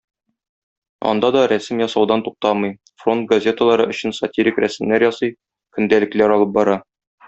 Анда да рәсем ясаудан туктамый, фронт газеталары өчен сатирик рәсемнәр ясый, көндәлекләр алып бара.